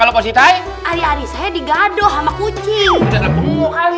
kalau positi hari hari saya digaduh sama kucing